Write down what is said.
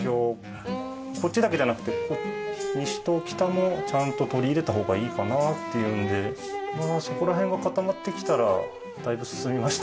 こっちだけじゃなくて西と北もちゃんと取り入れた方がいいかなっていうんでそこら辺が固まってきたらだいぶ進みましたけど。